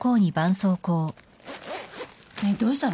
ねっどうしたの？